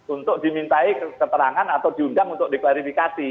untuk dimintai keterangan atau diundang untuk diklarifikasi